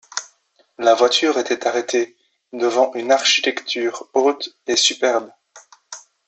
La voiture était arrêtée devant une architecture haute et superbe.